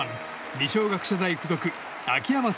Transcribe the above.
二松学舎大附属秋山正